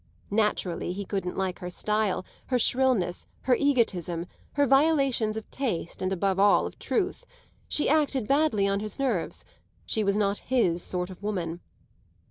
Naturally he couldn't like her style, her shrillness, her egotism, her violations of taste and above all of truth: she acted badly on his nerves, she was not his sort of woman.